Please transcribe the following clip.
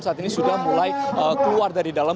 saat ini sudah mulai keluar dari dalam